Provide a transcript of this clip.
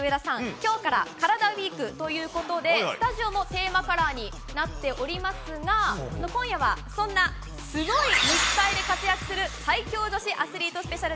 今日からカラダＷＥＥＫということでスタジオのテーマカラーになっておりますが今夜は、そんなすごい肉体で活躍する最強女子アスリートスペシャル。